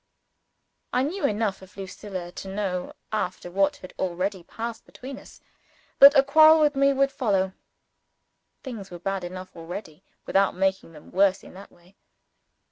I knew enough of Lucilla to know (after what had already passed between us) that a quarrel with me would follow. Things were bad enough already, without making them worse in that way.